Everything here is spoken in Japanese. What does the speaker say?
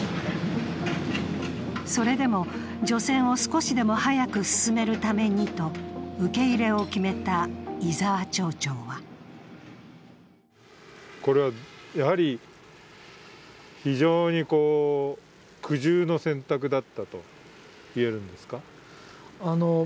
それでも除染を少しでも早く進めるためにと受け入れを決めた伊澤町長はこれはやはり非常に苦渋の選択だったと言えるんですか？